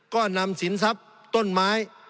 ก็นำสินทรัพย์ต้นไม้